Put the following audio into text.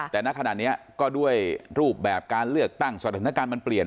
แต่ณขณะนี้ก็ด้วยรูปแบบการเลือกตั้งสถานการณ์มันเปลี่ยน